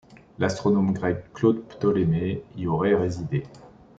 L'astronome grec Claude Ptolémée y aurait résidé.